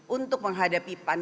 untuk menghadiri sidang